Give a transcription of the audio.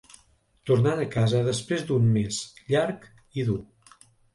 Tornant a casa després d'un mes llarg i dur.